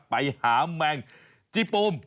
ไปหาแมงจี้โปม